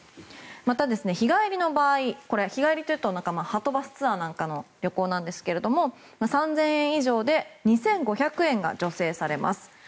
また、日帰りの場合日帰りというとはとバスツアーなんかの旅行なんですけども３０００円以上で２５００円が助成されます。